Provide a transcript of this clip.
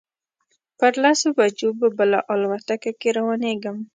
پر لسو بجو به بله الوتکه کې روانېږم.